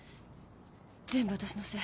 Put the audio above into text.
全部私のせい。